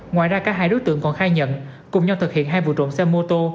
ngoài ra cả hai đối tượng còn khai nhận cùng nhau thực hiện hai vụ trộm xe mô tô